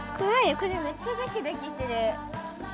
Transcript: これめっちゃドキドキする。